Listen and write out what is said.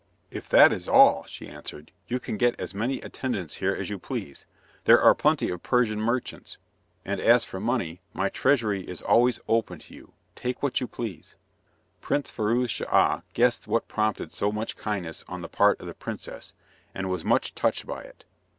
"If that is all," she answered, "you can get as many attendants here as you please. There are plenty of Persian merchants, and as for money, my treasury is always open to you. Take what you please." Prince Firouz Schah guessed what prompted so much kindness on the part of the princess, and was much touched by it.